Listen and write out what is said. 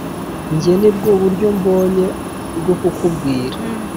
njye nibwo buryo mbonye bwo kukubwira,